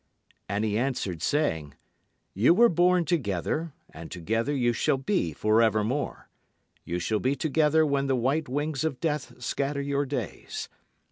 And he answered saying: You were born together, and together you shall be forevermore. You shall be together when the white wings of death scatter your days.